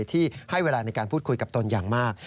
ที่ให้เวลาในการพูดคุยกับตนอย่างมาก